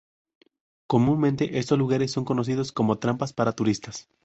Comúnmente, estos lugares son conocidos como trampas para turistas.